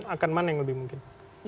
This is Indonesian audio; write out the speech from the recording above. akan mana yang lebih mungkin